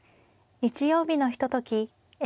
日曜日のひととき